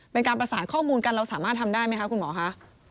เป็นการประสานข้อมูลกันเราสามารถทำได้ไหมคะคุณหมอคะ